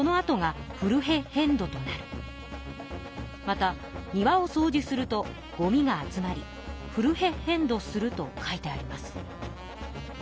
また「庭をそうじするとごみが集まりフルヘッヘンドする」と書いてあります。